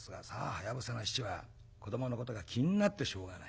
はやぶさの七は子どものことが気になってしょうがない。